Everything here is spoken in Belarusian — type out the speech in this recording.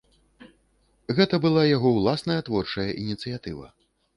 Гэта была яго ўласная творчая ініцыятыва.